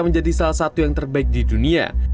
menjadi salah satu yang terbaik di dunia